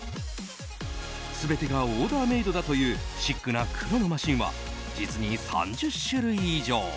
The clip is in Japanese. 全てがオーダーメイドだというシックな黒のマシンは実に３０種類以上。